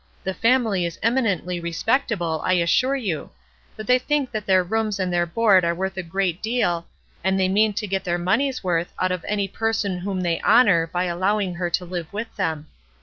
The family is eminently respectable, I assure you; but they think that their rooms and theu board are worth a great deal, and they mean to get their money's worth out of any person whom they honor by allowing her to live with them.